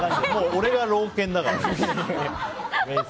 俺が老犬だからね。